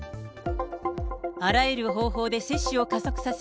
あらゆる方法で接種を加速させ、